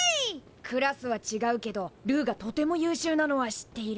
クラスはちがうけどルーがとても優秀なのは知っている。